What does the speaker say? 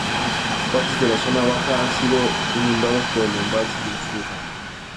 Partes de la zona baja han sido inundadas por el embalse del Zújar.